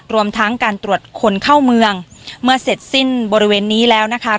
รวมทั้งการตรวจคนเข้าเมืองเมื่อเสร็จสิ้นบริเวณนี้แล้วนะคะ